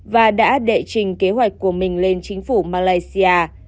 và đã đệ trình kế hoạch của mình lên chính phủ malaysia